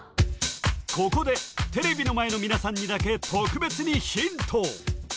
ここでテレビの前の皆さんにだけ特別にヒント